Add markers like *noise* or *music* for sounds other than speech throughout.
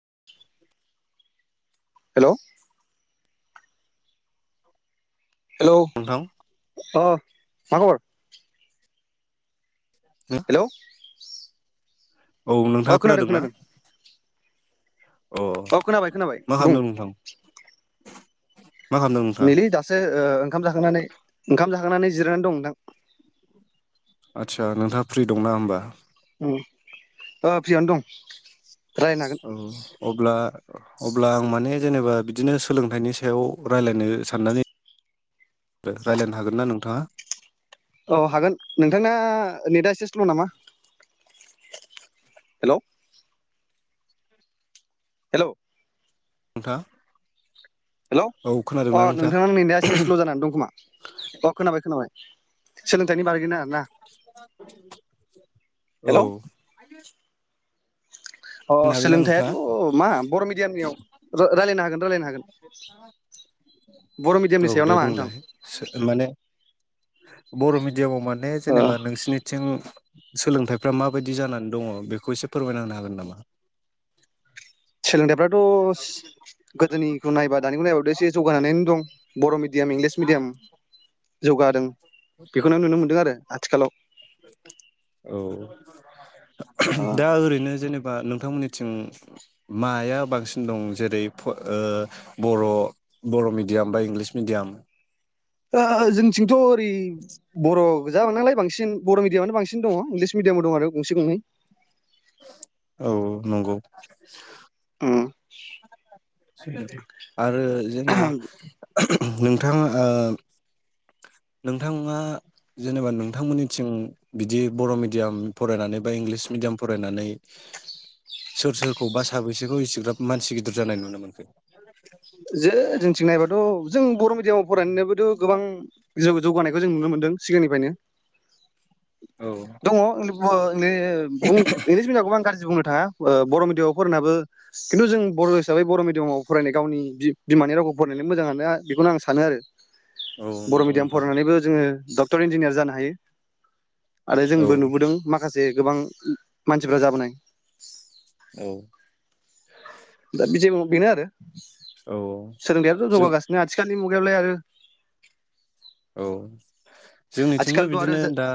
*inaudible* हेल' *unintelligible* नोंथां मा खबर? हेलौ औ अ नोंथाङा खोनादोंना? अ औ खोनाबाय खोनाबाय मा बुं खालामदों नोंथां मा खालामदों नोंथाङा नैलै दासो ओ ओंखाम जाखांनानै ओंखाम जाखांनानै जिरायनानै दं नोंथां। आदसा नोंथाङा फ्रि दंना होमबा? उम ओ फ्रियानो दं। रायलायनो औ अब्ला अब्ला आं माने जेनेबा बिदिनो सोलोंथाइनि सायाव रायलायनो साननानै रायलायनो हागोन ना नोंथाङा? औ हागोन नोंथांना नेटा एसेस्ल नामा हेलौ हेल नोंथा हेलौ अ नोंथांना नेटा एसे स्ल जानानै दं खोमा अ खोनाबाय खोनाबाय। सोलोंथाइनि बागै आरोना औ हेल अ होननो हागोन ना सोलोंथायाथ नोंथाङा मा बर' मिडियामनियाव रायलायनो हागोन रायलायनो हागोन बर औ मिडियामनि सायाव दे नामा नोंथां? बुंलाय माने बर मिडियामाव माने ओ जेनेबा नोंसिनिथिं सोलोंथाइफ्रा माबायदि जानानै दङ बेखौ एसे फोरमायना मोनो हागोन नामा? सोलोंथाइफ्रा थ गोदोनिखौ नायबा दानिखौ नायाव एसे जौगानानैनो दं बर मिडियाम इंलिस मिडियाम। जौगादों। बेखौनो नुनो मोनदों आरो आथिखालाव। *unintelligible* *inaudible* दा ओ ओरैनो जेनेबा नोंथांमोननि थिं माया बांसिन दं? जेरै फ ओ बर बर मिडियाम बा इंलिस मिडियाम ओओ जोंथिंथ ओरै बर बुजा बांनायालाय नांलाय बांसिन बर' मिडयामानो बांसिन दङ इंलिस मिडियामबो दं आरो गंसे गंनै। औ नंगौ। हुम आरो जेनेबा *unintelligible* नोंथा ओ नोंथाङा जेनेबा नोंथांमोननिथिं बिदि बर मिडियाम फरायनानै बा इंलिस मिडियाम फरायनानै सोर सोरखौ बा साबैसेखौ एसेग्राब मानसि गिदिर जानाय नुनो मोनो? *inaudible* जो जोंथिं नायबाथ' जों बर' मिडयामाव फरायनायाबोथ गोबां जोबोद जौगानायखौ जों नुनो मोनदों सिगांनिफ्रायनो दङ *unintelligible* *unintelligible* ने बु इंलिस मिडियामखौबो आं गाज्रि बुंनो आ ओ बर' मिडियामाव फरायनाबो खिन्थु जों बर' हिसाबै बर मिडियामाव फरायनाय गावनि बि बिमानि रावखौ फरायनानै मोजां हानो बेखौनो आं सानो आरो। औ बर' नंगौ मिडियाम नोंथां फरायनानैबो जोङो डक्टर इन्जिनियार जानो हायो। आरो औ जोंबो नुबोदों माखासे जे गोबां मानसिफ्रा जाबोनाय औ दा बिजोमाव बेनो आरो। सोलोंथाइयाथ' जों जौगागासिनो आथिखालनि मुगायावलाय आरो। औ जोंनिथिंबो आथिखालथ' आरो बिदिनो दा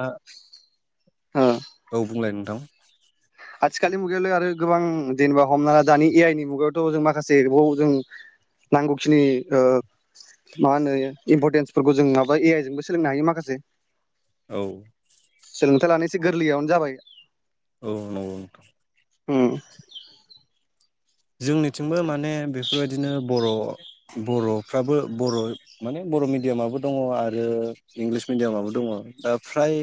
औ बुंलाय नोंथां। आथिखालनि मुगायावलाय आरो गोबां जेनेबा हमना दानि ए आइ नि मुगायावथ जों माखासे बाव जों नांगौखिनि ओ मा होनो इम्परटेन्सफोरखौ जों माबा ए आइ जोंबो सोलोंनो हायो माखासे औ सोलोंथाइ लानो एसे गोरलैयावनो जाबाय। औ नंगौ नोंथां। ओम। जोंनिथिंबो माने बेफोरबायदिनो बर' बर'फ्राबो बर' माने बर मिडियामाबो दङ आरो इंलिस मिडियामाबो दङ दा फ्राय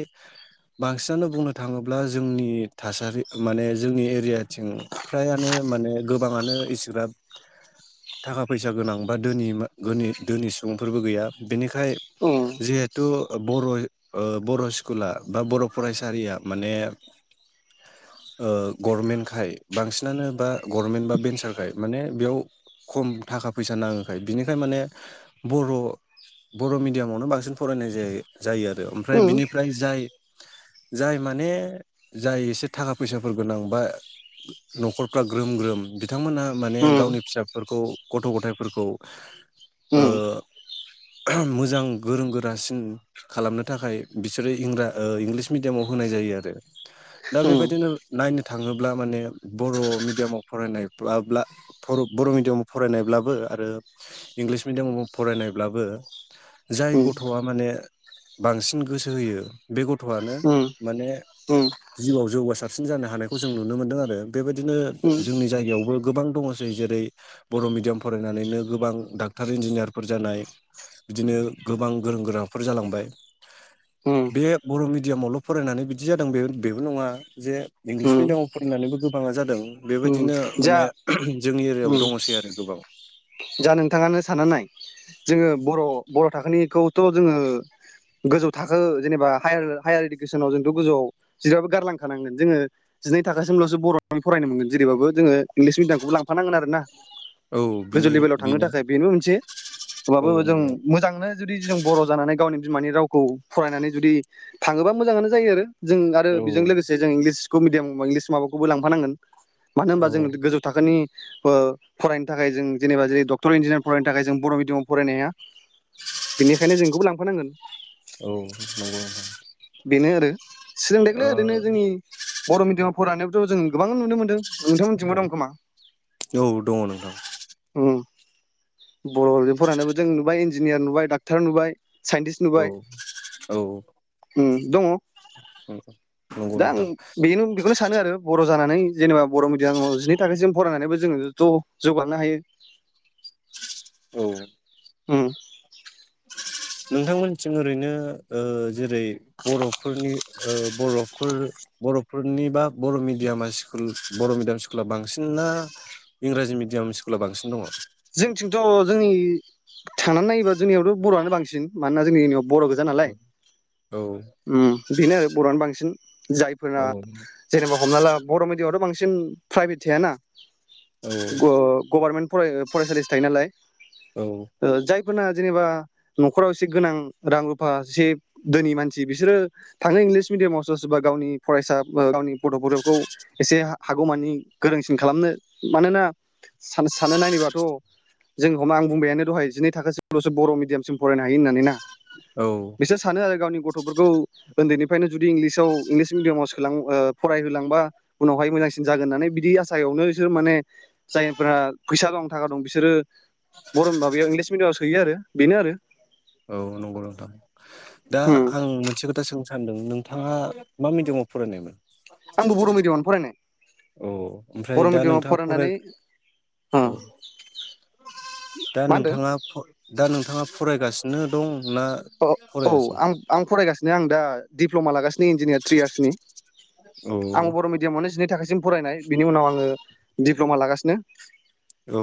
बांसिनानो बुंनो थाङोब्ला जोंनि थासारि माने जोंनि एरियाथिं फ्रायानो माने। गोबाङानो इसोरा थाखा फैसा गोनां बा दोनि गोनि सुबुंफोरबो गैया। बिनिखाय उम जिहेथु बर ओ बर स्कुला बा बर फरायसालिया माने ओ गर्मेन्टखाय बांसिनानो बा गर्मेन्ट बा भेन्सार खाय माने बेयाव खम थाखा फैसा नाङोखाय बिनिखाय माने बर' बर' मिडियामावनो बांसिन फरायनाय जायो। जायो आरो ओमफ्राय उम बिनिफ्राय जाय जाय माने जाय एसे थाखा फैसाफोर गोनां बा नखरफ्रा ग्रोम ग्रोम बि थांमोनहा माने उम गावनि फिसाफोरखौ गथ' गथाइफोरखौ ओ उम मोजां गोरों गोरासिन खालामनो थाखाय बिसोरो इंरा ओ इंलिस मिडियामाव होनाय जायो आरो। दा उम बेबायदिनो नायनो थाङोब्ला माने बर' मिडियामाव फरायनाय ब्ला-ब्ला फर बर' मिडियामाव फरायनायब्लाबो आरो इंलिस मिडियामाव फरायनायब्लाबो जाय उम गथ'आ माने बांसिन गोसो होयो बे गथ' थ आनो उम माने जिउआव जौगासारसिन जानो हानायखौ जों नुनो मोन्दों आरो बेबादिनो जोंनि जायगायावबो गोबां दङसै जेरै बर' मिडियाम फरायनानैनो गोबां डाक्टार इन्जिनियारफोर जानाय बिदिनो गोबां गोरों गोराफोर जालांबाय उम बे बर' मिडियामावल फरायनानै बिदि जादों बे बेबो नङा जे उम इंलिस मिडियामाव फरायनानैबो गोबाङा जादों । उम बेबायदिनो जा माने जोंनि एरियायाव उम दङ'सै आरो गोबां। जा नोंथाङानो सानना नाय जोङो बर' बर' थाखोनिखौथ जोङो गोजौ थाखो जेनेबा हायार हायार इडुकेसनाव जोंथ गोजौआव जेरैबाबबो गारलांखानांगोन जोङो जिनै थाखोसिमलसो बर' नि फरायनो मोनगोन जेरैबाबो जोङो इंलिस मिडियामखौबो लांफानांगोन आरो ना औ गोजौ बिनि लेभेलाव थांनो बेनो थाखाय बेबो मोनसे औ ओमबाबो जों नंगौ मोजांनो जुदि जों बर' जानानै गावनि बिमानि रावखौ फरायनानै जुदि थाङोबा मोजाङानो जायो आरो जों आरो औ बिजों लोगोसे जों इंलिस *unintelligible* मिडियाम बा इंलिस माबाखौबो लांफानांगोन। मानो होनबा जोंनो गोजौ थाखोनि बो फरायनो थाखाय जों जेनेबा जेरै डक्टर इन्जिनियार फरायनो थाखाय जों बर' मिडियामाव फरायनो हाया बेनिखायनो जों इखौबो लांफानांगोन। औ नंगौ । बेनो आरो सोलोंथाइखोलाय ओरैनो जोंनि बर' मिडियामाव फरायनायाखौथ' जों गोबां नुनो मोनदों नोंथांमोननिथिंबो दं खोमा । औ दङ नोंथां बर'जों फरायनायबो जों नुबाय इन्जिनियार नुबाय डाक्थार नुबाय। साइन्टिस्ट औ औ। ओम दङ दङ नोंथां औ नंगौ दा आं नोंथां बेनो बेखौनो सानो आरो बर' दुखु जानानै जेनेबा बर' मिडियामाव जिनै थाखोसिम फरायनानैबो जोङो ज' जौगानो हायो। औ ओम। नोंथांमोनथिं ओरैनो ओ जेरै बर'फोरनि ओ बर'फोर बर'फोरनिबा बर' मिडियामा स्कुल बर' मिडियाम स्कुला बांसिन ना इंराजि मिडियाम स्कुला बांसिन दङ'? जोंथिंथ' जोंनि थांनानै नायोबा जोंनियावथ' बर'आनो बांसिन मानोना जोंनियाव बर' गोजा औ नालाय औ ओम बेनो आरो बर'आनो बांसिन । औ जायफोरा जेनेबा हमना ला बर' मिडि । यावथ बांसिन फ्राइभेद थायाना औ ग ओ गभार्मेन्ट फराय *unintelligible* फरायसालिसो थायो नालाय औ ओ जायक फोना जेनेबा नखराव एसे गोनां रां रुफा सेब दोनि मानसि बिसोरो थांनो इंलिस मिडियामाव सोरबा सोरबा गावनि फरायसा गावनि गथ गथाइखौ एसे हागौमानि गोरोंसिन खालामनो मानोना सान-सानना नायोबा ट जों हमा आं बुंबायानो दहाय जिनै थाखासिम लसो बर मिडियामसिम फरायनाय हायो होननानै ना औ बिसोर सानो आरो गावनि ग गथ' फोरखौ उन्दैनिफ्रायनो जुदि इंलिसाव इंलिस मिडियामाव सोलां ओ फरायहोलांबा उनावहाय मोजांसिन जागोन होननानै बिदि आसायावनो जो माने जायफोरा फैसा दं थाखा दं बिसोरो बर माबायाव इंलिस मिडियामाव सो हैयो आरो बेनो आरो । औ नंगौ नोंथां दा उम आं मोनसे खोथा सों सानदों नोंथाङा मा मिडियामाव फरायनायमोन? आंबो बर मिडियामावनो फरायनाय। अ ओमफ्राय बर' दा मिडियामाव नोंथाङा फराय फरायनानै ओ औ दा मा होनदों नोंथाङा फ दा नोंथाङा फरायगासिनो दं ना अ औ फरायासै आं आं फरायगासिनो आं दा दिप्लमा लागासि *unintelligible* इन्जिनियार थ्रि इयार्सनि औ आङो बर मिडियामावनो जिनै थाखोसिम फरायनाय । बिनि उनाव आङो दिप्लमा लागासिनो औ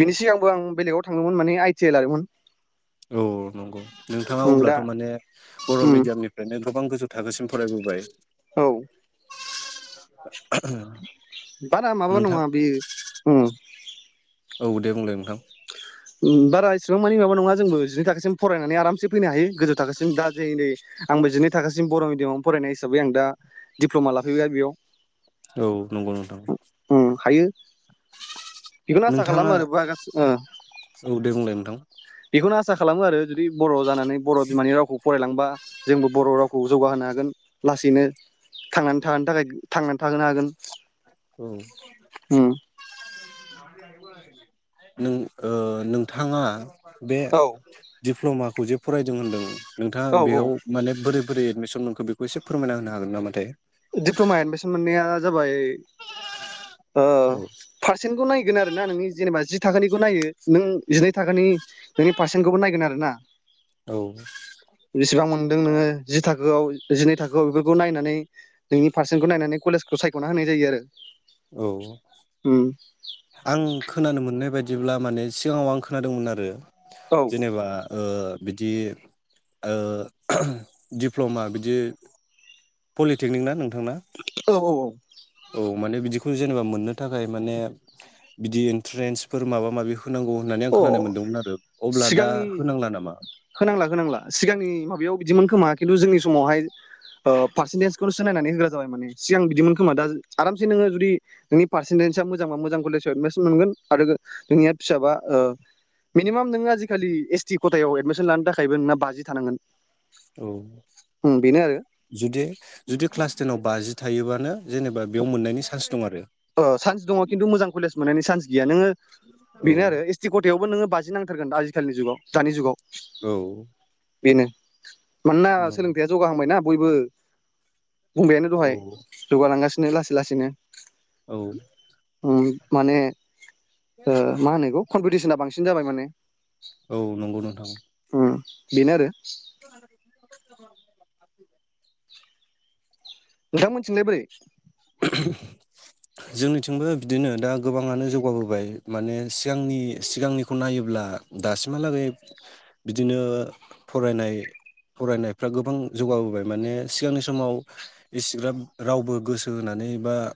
बेनि सिगांबो आं बेलेगाव थाङोमोन माने आइ टि आइ लादोमोन। औ औ नंगौ नोंथाङा अब्लाथ' माने बर' उम मिडियामनिफ्रायनो गोबां गोजौ थाखोसिम फरायबोबाय औ *inaudible* बारा माबा नोंथां नङा बेयो उम औ दे बुंलाय नोंथां उम बारा इसिबां मानि माबा नङा जोंबो जिनै थाखोसिम फरायनानै आरामसे फैनो हायो गोजौ थाखोसिम दा जे नै आंबो जिनै थाखोसिम बर मिडियामावनो फरायनाय हिसाबै आं दा दिप्लमा लाफैबाय बेयाव। औ नंगौ नोंथां बिखौनो आसा नोंथाङा खालाम आरो बागा ओ औ दे बुंलाय नोंथां । बेखौनो आसा खालामो आरो जुदि बर जानानै बर बिमानि रावखौ फरायलांबा जोंबो बर रावखौ जौगाहोनो हागोन लासैनो थांनानै थाहोनो थाखाय थांनानै थाहोनो हागोन। औ उम *inaudible* नों ओ नोंथांङा बे औ दिप्लमाखौ जे फरायदों होन्दों नोंथाङा औ औ बेयाव माने बोरै बोरै एडमिसन मोनखौ बेखौ एसे फोरमायना होनो हागोन नामाथाय । डिप्लमा एडमिसन मोननाया जाबाय ओ औ पारसेनखौ नायगोन आरोना नोंनि जेनेबा थाखोनिबो नायो नों जिनै थाखोनि नोंनि पारसेन्टखौबो नायगोन आरो ना बेसेबां मोनदों नोङो? जि थाखोआव जिनै थाखोआव बेफोरखौ नायनानै नोंनि पारसेन्खौ नायनानै कलेजखौ सायखना होनाय जायो आरो। औ उम आं खोनानो मोननाय बायदि जेब्ला माने सिगाङाव आं खोनादोंमोन आरो। औ जेनेबा ओ बिदि ओ दिप्लमा बिदि पलिटेकनिक ना नों *inaudible* औ औ औ औ माने बिदिखौ जेनेबा मोननो थाखाय माने बिदि इन्ट्रेन्सफोर माबा माबि हो होनांगौ होननानै आं औ अ खोनानाय मोनदोंमोन आरो अब्ला दा सिगांनि होनांला नामा? होनांला होनांला सिगांनि माबायाव बिदिमोन खोमा खिन्थु जोंनि समावहाय ओ पारसेन्टेजखौनो सिनायनानै होग्रा जाबाय माने सिगां बिदिमोन खोमा दा आरामसे नोङो जुदि नोंनि पारसेन्टेेजआ मोजांबा मोजां कलेजाव एडमिसन मोनगोन आरो नोंनिया फिसाबा ओ मिनिमाम नोङो आजिखालि एस टि खथायाव एदमिसन लानो थाखायबो नोंना बाजि थानांगोन। औ उम बेनो आरो जुदि जुदि क्लास जोंनाव बाजि थायोबानो जेनेबा बेयाव मोननायनि सान्स दं आरो। अ सान्स दङ खिन्थु मोजां कलेज मोननायनि सान्स गैया नोङो औ बेनो आरो एसटि कथायायावबो नोङो बाजि नां थारगोन आजिखालि जुगाव दानि जुगाव औ। बेनो मानोना नंगौ सोलोंथाइया जौगाहांबायना। बयबो बुंंबायानो दहाय औ जौगालांगासिनो नो लासै लासैनो औ। उम माने मा होनो एखौ कम्पिटिसना बांसिन सिन जाबाय माने। औ नंगौ नोंथां। उम बेनो आरो *inaudible* नोंथांमोनथिलाय बोरै? जोंनिथिंबो बिदिनो दा गोबाङानो जौगाबोबाय माने सिगांनि सिगांनिखौ नायोब्ला दासिमहालागै बिदिनो फरायनाय फरायनायफ्रा गोबां जौगाबोबाय माने सिगांनि समाव इसिग्राब रावबो गोसो होनानै बा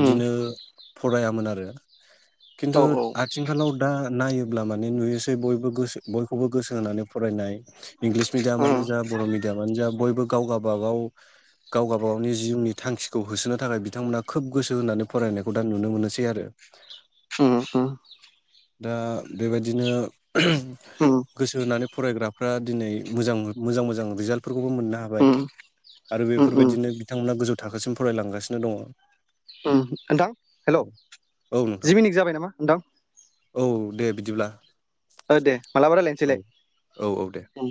उम फरायामोन आरो *unintelligible* खिन्थु औ औ आथिंखालाव दा नायोब अब्ला माने नुयोसै बयबो गोसो बयखौबो गोसो होनानै फरायनाय इंलिस मिडियामानो उम जा बर' मिडियामानो जा बय गाव गाबा गाव गावगाबा गावनि जिउनि थांखि खौ होसोनो थाखाय बिथांमोना खोब गोसो होनानै फरायनायखौ दा नुनो मोनोसै आरो होम हो दा बेबायदिनो *unintelligible* उम गोसो होनानै। फरायग्राफ्रा दिनै मोजां मोजां मोजां रिजालत । फोरखौबो मोननो हाबाय उम आरो उम बेफोरबायदिनो बिथांमोना गोजौ थाखोसिम फरायलांगासिनो दङ ओम नोंथां हेलौ औ औ नोंथां जि मिनिट जाबाय नामा नोंथां? औ दे बिदिब्ला। ओ दे मालाबा औ रायलायनोसैलाय औ औ दे उम।